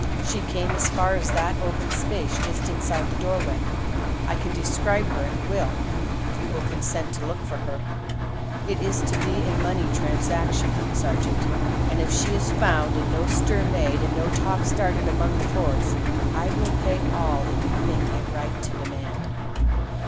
She came as far as that open space just inside the doorway. I can describe her, and will, if you will consent to look for her. It is to be a money transaction, sergeant, and if she is found and no stir made and no talk started among the Force, I will pay all that you think it right to demand."